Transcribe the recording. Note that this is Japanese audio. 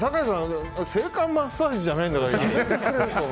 性感マッサージじゃないんだから。